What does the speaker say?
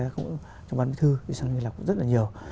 chúng ta cũng bán bí thư đi sang hy lạp rất là nhiều